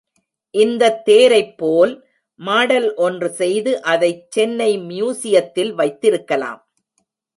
இந்தத் தேரைப்போல் மாடல் ஒன்று செய்து அதைச் சென்னை மியூசியத்தில் வைத்திருக்கலாம்.